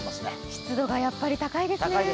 湿度がやっぱり高いですね。